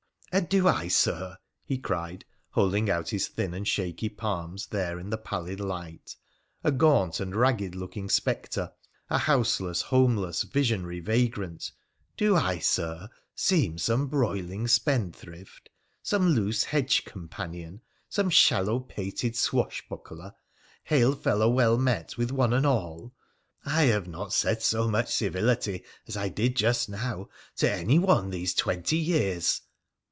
' And do I, Sir,' he cried, holding out his thin and shaky palms there in the pallid light, a gaunt and ragged looking sppctre— a houselers, homeless, visionary vagrant —' do I, Sir, ssem some broiling spendthrift — some loose hedge companion — some shallow pated swashbuckler— hail fellow well met with one and all ? I have not said so much civility as I did just now to anyone this twenty years